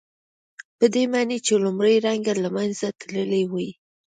پدې معنی چې لومړنی رنګ له منځه تللی وي.